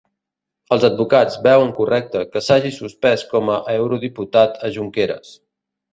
Els advocats veuen correcte que s'hagi suspès com a eurodiputat a Junqueras